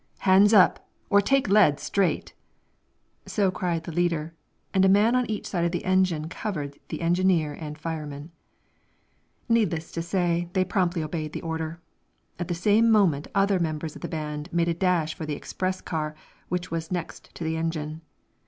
"Hands up, or take lead straight!" So cried the leader, and a man on each side of the engine covered the engineer and fireman. Needless to say, they promptly obeyed the order. At the same moment other members of the band made a dash for the express car, which was next to the engine.